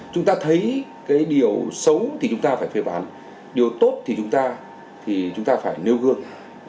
chúng ta thấy cái điều xấu thì chúng ta phải phê bán điều tốt thì chúng ta phải nêu gương